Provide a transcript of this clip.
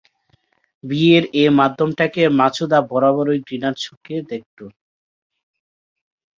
বিয়ের এ মাধ্যমটাকে মাছুদা বরাবরই ঘৃণার চোখে দেখতো।